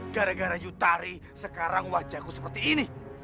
gara gara yutari sekarang wajahku seperti ini